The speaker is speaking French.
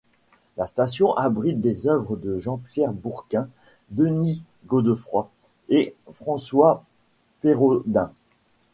La station abrite des œuvres de Jean-Pierre Bourquin, Denis Godefroy et François Perrodin.